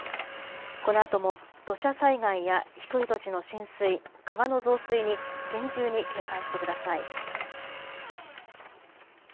このあとも土砂災害や低い土地の浸水、川の増水に厳重に警戒してください。